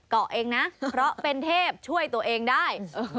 เกาะเองนะเพราะเป็นเทพช่วยตัวเองได้